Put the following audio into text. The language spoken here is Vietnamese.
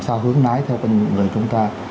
sao hướng lái theo những người chúng ta